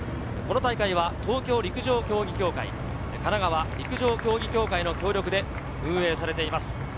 この大会は東京陸上競技協会、神奈川陸上競技協会の協力で運営されています。